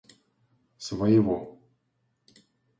своего